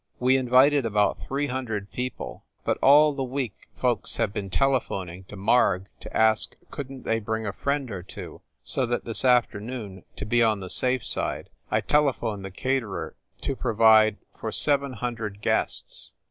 We invited about three hundred peo ple, but all the week folks have been telephoning to Marg to ask couldn t they bring a friend or two, so that this afternoon, to be on the safe side, I tele phoned the caterer to provide for seven hundred guests.